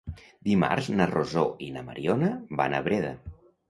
Dimarts na Rosó i na Mariona van a Breda.